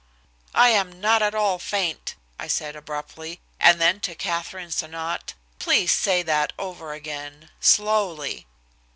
"I am not at all faint," I said abruptly, and then to Katherine Sonnot. "Please say that over again, slowly."